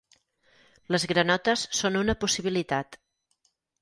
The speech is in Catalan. Les granotes són una possibilitat.